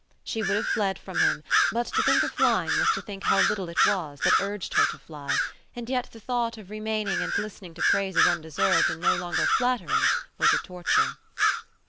She would have fled from him, but to think of flying was to think how little it was that urged her to fly, and yet the thought of remaining and listening to praises undeserved and no longer flattering, was a torture.